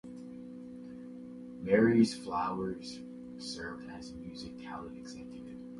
Mary Flowers served as music talent executive.